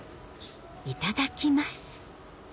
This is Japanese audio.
いただきます